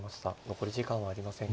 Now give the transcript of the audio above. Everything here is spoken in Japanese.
残り時間はありません。